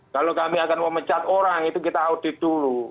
kalau kami akan memecat orang itu kita audit dulu